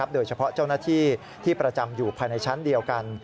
โดยเฉพาะเจ้าหน้าที่ที่ประจำอยู่ภายในชั้นเดียวกัน